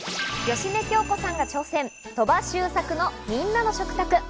芳根京子さんが挑戦、鳥羽周作のみんなの食卓。